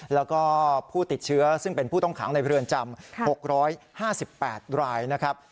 แล้วก็ผู้ติดเชื้อซึ่งเป็นผู้ต้องขังในเรือนจำ๖๕๘รายนะครับ